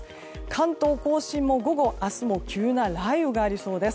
関東・甲信も午後明日も急な雷雨がありそうです。